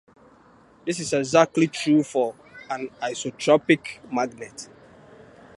This is exactly true for an isotropic magnet.